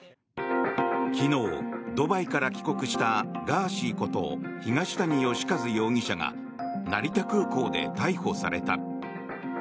昨日、ドバイから帰国したガーシーこと東谷義和容疑者が成田空港で逮捕された。